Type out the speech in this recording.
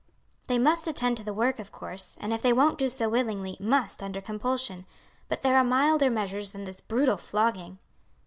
"They must attend to the work, of course, and if they won't do so willingly, must under compulsion; but there are milder measures than this brutal flogging."